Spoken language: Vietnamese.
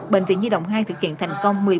bệnh viện di động hai thực hiện thành công